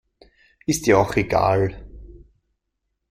Ist ja auch egal.